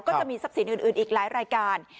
ก็จะมีทรัพย์สินอื่นอีกหลายรายการ